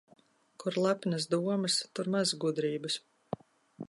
Kur lepnas domas, tur maz gudrības.